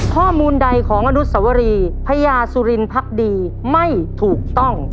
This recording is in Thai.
ข้อมูลใดของอนุสวรีพญาสุรินพักดีไม่ถูกต้อง